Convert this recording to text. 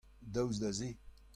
Daoust da se.